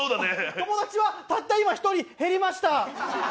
友達はたった今一人減りました。